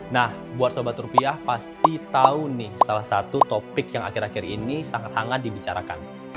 nah buat sobat rupiah pasti tahu nih salah satu topik yang akhir akhir ini sangat hangat dibicarakan